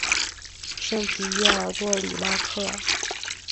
圣皮耶尔多里拉克。